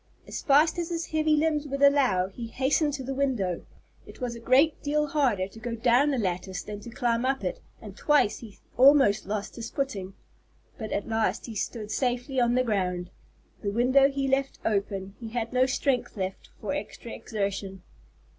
As fast as his heavy limbs would allow, he hastened to the window. It was a great deal harder to go down the lattice than to climb up it, and twice he almost lost his footing. But at last he stood safely on the ground. The window he left open; he had no strength left for extra exertion.